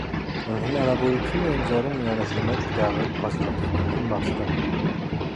Այն հնարավորություն է ընձեռում միանշանակ գրառել փաստաթղթի իմաստը։